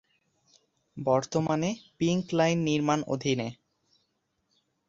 বর্তমানে, pink line নির্মাণ অধীনে।